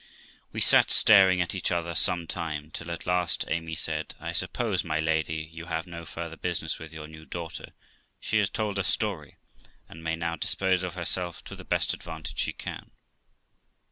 We sat staring at each other some time, till at last Amy said, 'I suppose, my lady, you have no farther business with your new daughter; she has told her story, and may now dispose of herself to the best advantage she can.'